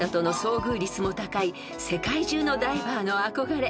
［世界中のダイバーの憧れ。